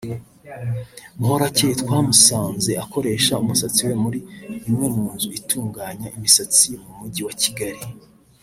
Muhorakeye twamusanze akoresha umusatsi muri imwe mu nzu itunganya imisatsi mu Mujyi wa Kigali